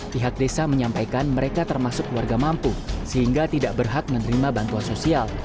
pihak desa menyampaikan mereka termasuk warga mampu sehingga tidak berhak menerima bantuan sosial